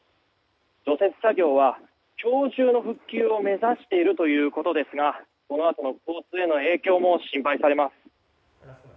除雪作業は、今日中の復旧を目指しているということですがこのあとの交通への影響も心配されます。